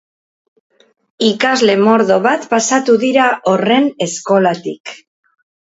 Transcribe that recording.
Ikasle mordo bat pasatu dira horren eskolatik.